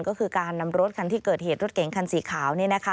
ก็คือการนำรถคันที่เกิดเหตุรถเก๋งคันสีขาว